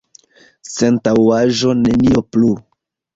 Sentaŭgaĵo, nenio plu!